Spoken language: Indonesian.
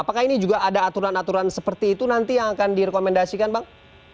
apakah ini juga ada aturan aturan seperti itu nanti yang akan direkomendasikan bang